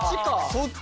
そっち？